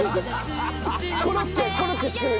コロッケコロッケ作る歌。